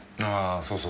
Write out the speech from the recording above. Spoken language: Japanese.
そうそう。